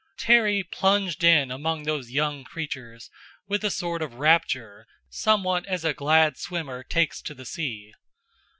Terry plunged in among those young creatures with a sort of rapture, somewhat as a glad swimmer takes to the sea.